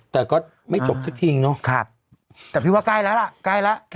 แต่ก็ไม่จบสักทีเนอะครับแต่พิวว่าใกล้แล้วล่ะ